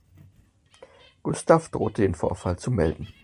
Gustav droht den Vorfall zu melden.